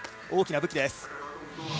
大きな武器です。